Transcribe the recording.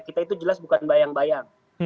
kita itu jelas bukan bayang bayang